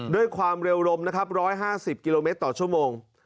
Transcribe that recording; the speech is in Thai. ด้วยความเร็วลมนะครับ๑๕๐กิโลเมตรต่อชั่วโมง